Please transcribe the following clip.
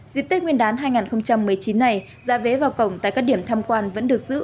dịp tết nguyên đán hai nghìn một mươi chín này giá vé vào phòng tại các điểm thăm quan vẫn được giữ ổn định